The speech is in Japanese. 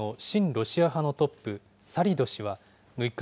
ロシア派のトップ、サリド氏は６日、